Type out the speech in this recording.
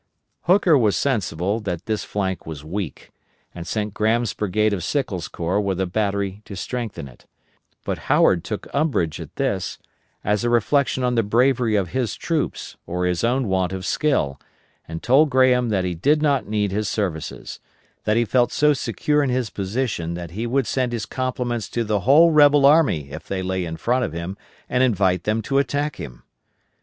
Hooker was sensible that this flank was weak, and sent Graham's brigade of Sickles' corps with a battery to strengthen it; but Howard took umbrage at this, as a reflection on the bravery of his troops or his own want of skill, and told Graham that he did not need his services; that he felt so secure in his position that he would send his compliments to the whole rebel army if they lay in front of him, and invite them to attack him.